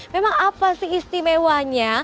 memang apa sih istimewanya